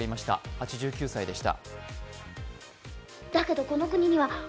８９歳でした。